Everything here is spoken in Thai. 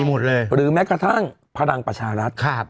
หรือแม้กระทั่งพระรังประชารัฐ